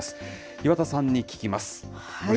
岩田さんに聞きます。